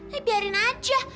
nih biarin aja